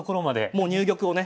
もう入玉をね